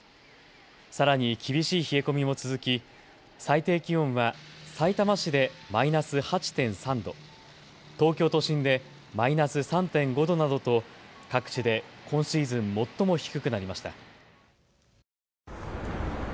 さらに厳しい冷え込みも続き最低気温は、さいたま市でマイナス８．３度、東京都心でマイナス３．５度などと各地で今シーズン最も低くなりました。